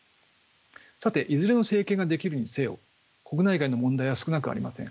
さていずれの政権ができるにせよ国内外の問題は少なくありません。